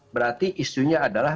berarti isunya adalah